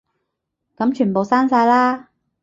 噉全部刪晒啦